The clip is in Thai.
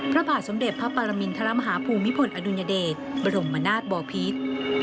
พระบาทสมเด็จพระปรมินทรมาฮาภูมิพลอดุญเดชบรมนาศบอพิษ